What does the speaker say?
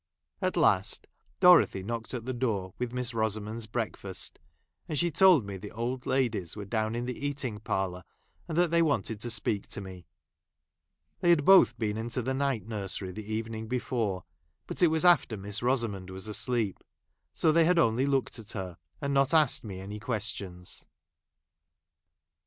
At last Dorothy knocked at the door ; with Miss Rosamond's breakffist ; and she | told me the old ladies were down in the eating parlour, and that they wanted to speak I to me. They had both been into the night J nursery the evening before, but it was after I Miss I^samond was asleep ; so they had only 1 looked at her — not asked me any questions.